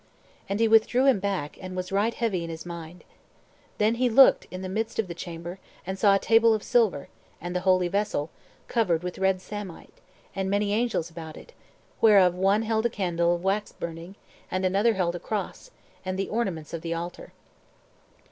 And he withdrew him back, and was right heavy in his mind. Then looked he in the midst of the chamber, and saw a table of silver, and the holy vessel, covered with red samite, and many angels about it; whereof one held a candle of wax burning, and another held a cross, and the ornaments of the altar.